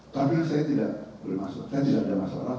tapi saya tidak bermaksud saya tidak ada masalah